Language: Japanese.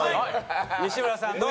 西村さんどうぞ。